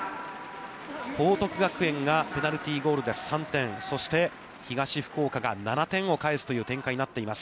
報徳学園がペナルティーゴールで３点、そして、東福岡が７点を返すという展開になっています。